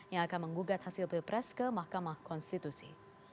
yang akan menggugat hasil pilpres ke mahkamah konstitusi